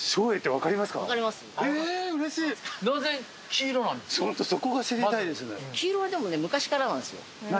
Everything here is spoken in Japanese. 黄色はでもね昔からなんですよ